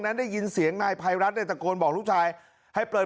นั้นได้ยินเสียงนายภัยรัฐในตะโกนบอกลูกชายให้เปิด